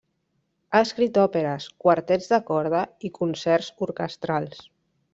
Ha escrit òperes, quartets de corda i concerts orquestrals.